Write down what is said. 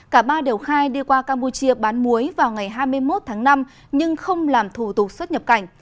cả ba đều khai đi qua campuchia bán muối vào ngày hai mươi một tháng năm nhưng không làm thủ tục xuất nhập cảnh